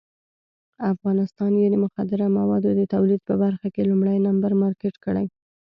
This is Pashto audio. افغانستان یې د مخدره موادو د تولید په برخه کې لومړی نمبر مارکېټ کړی.